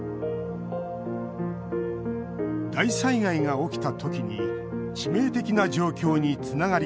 大災害が起きた時に致命的な状況につながりかねない。